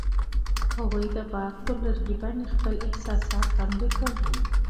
هغوی د باغ پر لرګي باندې خپل احساسات هم لیکل.